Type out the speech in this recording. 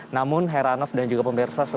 namun herr raff dan juga pemirsa